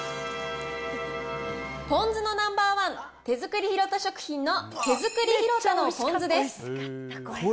ポン酢のナンバー１、手造りひろた食品の手造りひろたのぽんずです。